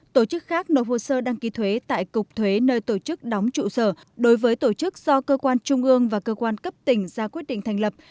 tổ chức khác nộp hồ sơ đăng ký thuế tại cục thuế nơi tổ chức đóng trụ sở đối với tổ chức do cơ quan trung ương và cơ quan cấp tỉnh ra quyết định thành lập